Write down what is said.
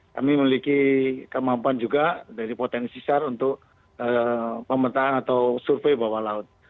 kami memiliki kemampuan juga dari potensi sar untuk pemetaan atau survei bawah laut